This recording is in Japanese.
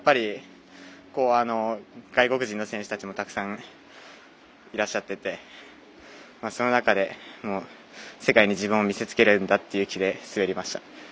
外国人の選手たちもたくさんいらっしゃっててその中で、世界に自分を見せつけるんだという気で滑りました。